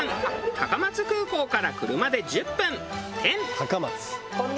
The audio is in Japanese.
高松空港から車で１０分てん。